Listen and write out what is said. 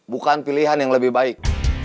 bukan pilihan yang lebih baik